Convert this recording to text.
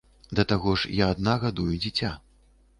Да таго ж я адна гадую дзіця.